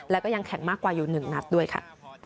แล้วก็ยังแข่งมากกว่าอยู่๑นัดด้วยค่ะ